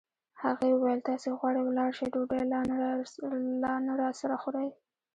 هغې وویل: تاسي غواړئ ولاړ شئ، ډوډۍ لا نه راسره خورئ.